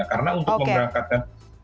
karena untuk mengangkatkan